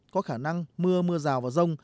có khả năng mưa mưa rào và rông